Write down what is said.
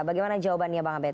bagaimana jawabannya bang abed